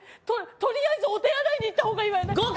とりあえずお手洗いに行ったほうがいいわよね。